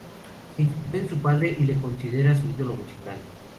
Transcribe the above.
Se inspiró en su padre y le considera su "ídolo musical".